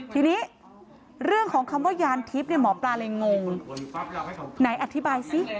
ทีนี้เรื่องของคำว่ายานทิพย์หมอปลาเลยงงไหนอธิบายซิ